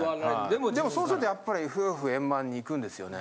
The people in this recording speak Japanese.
でもそうするとやっぱり夫婦円満にいくんですよね。